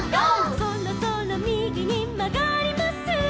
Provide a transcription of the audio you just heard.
「そろそろみぎにまがります」